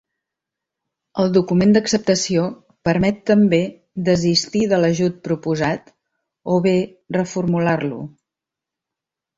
El document d'acceptació permet també desistir de l'ajut proposat o bé reformular-lo.